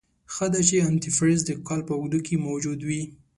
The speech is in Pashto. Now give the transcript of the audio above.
ښه ده چې انتي فریز دکال په اوږدو کې موجود وي.